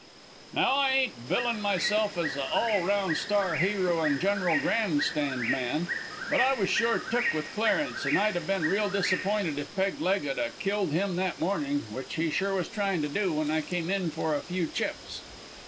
"Now I ain't billin' myself as a all round star hero an' general grand stand man. But I was sure took with Clarence, an' I'd 'a' been real disappointed if Peg leg 'ud a killed him that morning which he sure was tryin' to do when I came in for a few chips.